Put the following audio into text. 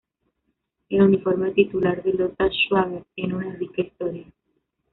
El uniforme titular de Lota Schwager tiene una rica historia.